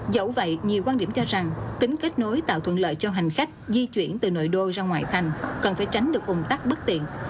dẫu vậy nhiều quan điểm cho rằng tính kết nối tạo thuận lợi cho hành khách di chuyển từ nội đô ra ngoại thành cần phải tránh được ủng tắc bất tiện